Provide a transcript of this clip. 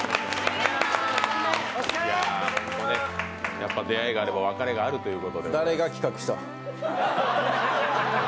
やっぱり出会いがあれば別れがあるということで。